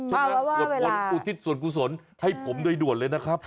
โทรคนอุทิศศวรคูะสนนท์ทรงไฟรี่ได้ด่วนเลยนะครับ